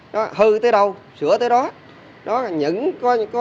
nó hư tới đâu sửa tới đó